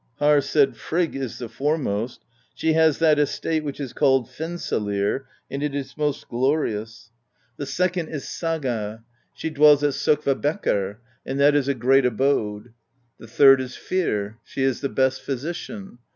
Harr said :" Frigg is the foremost : she has that estate which is called Fensalir, and it is most glorious. The second is 46 PROSE EDDA Saga: she dwells at S0kkvabekkr, and that is a great abode. The third is Fir: she is the best physician.